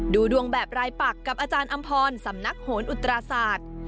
ดูดวงแบบรายปักกับอาจารย์อำพรสำนักโหนอุตราศาสตร์